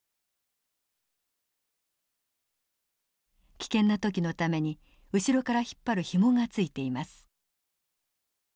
危険な時のために後ろから引っ張るヒモがついています。